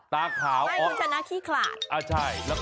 ไม่คุณชนะขี้ขลาด